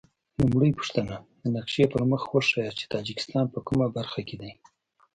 لومړۍ پوښتنه: د نقشې پر مخ وښایاست چې تاجکستان په کومه برخه کې دی؟